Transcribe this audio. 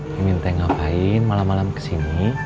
mimin teh ngapain malam malam kesini